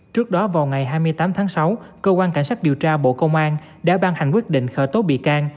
trước đó vào ngày hai mươi tám tháng sáu cơ quan cảnh sát điều tra bộ công an đã ban hành quyết định khởi tố bị can